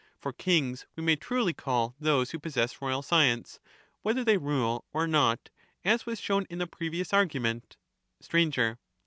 For kings we may truly call those who possess royal science, whether they rule or not, as was shown in the previous argument \ 293 Sir.